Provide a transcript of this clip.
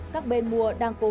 các bên mua